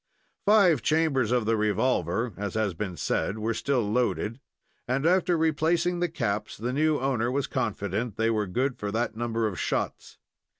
Five chambers of the revolver, as has been said, were still loaded, and, after replacing the caps, the new owner was confident they were good for that number of shots.